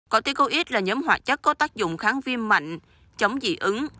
corticoid là nhóm hoạt chất có tác dụng kháng viêm mạnh chống dị ứng